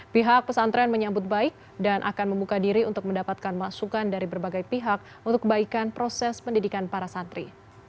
pihak pesantren menyambut baik dan akan membuka diri untuk mendapatkan masukan dari berbagai pihak untuk kebaikan proses pendidikan para santri